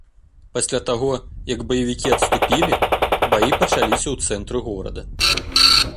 Пасля таго, як баевікі адступілі, баі пачаліся ў цэнтры горада.